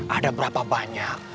ada berapa banyak